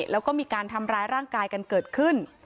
แล้วก็มีการทำร้ายร่างกายกันเกิดขึ้น